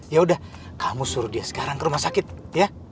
ya udah kamu suruh dia sekarang ke rumah sakit ya